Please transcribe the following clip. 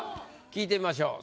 聞いてみましょう。